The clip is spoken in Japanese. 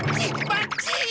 ばっちい！